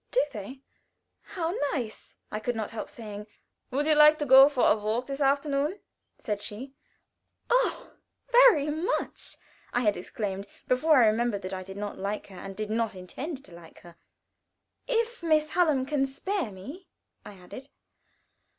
"Do they? How nice!" I could not help saying. "Would you like to go for a walk this afternoon?" said she. "Oh, very much!" I had exclaimed, before I remembered that I did not like her, and did not intend to like her. "If Miss Hallam can spare me," I added.